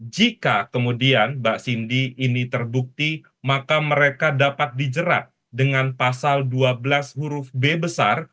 jika kemudian mbak cindy ini terbukti maka mereka dapat dijerat dengan pasal dua belas huruf b besar